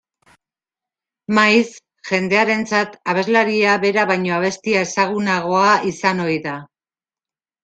Maiz, jendearentzat abeslaria bera baino abestia ezagunagoa izan ohi da.